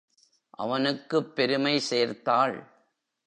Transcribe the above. அவனுக்குப் பெருமை சேர்த்தாள்.